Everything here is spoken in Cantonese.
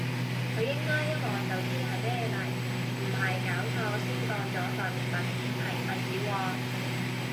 佢應該一望就知係咩嚟，唔係搞錯先當咗份文件係廢紙喎？